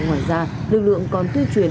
ngoài ra lực lượng còn tuyên truyền